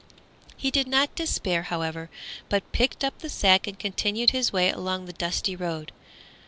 He did not despair, however, but picked up the sack and continued his way along the dusty road.